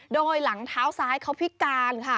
โดยหลังเท้าซ้ายเขาพิการค่ะ